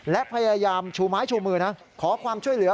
และพยายามชูไม้ชูมือนะขอความช่วยเหลือ